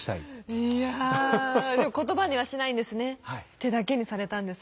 手だけにされたんですね。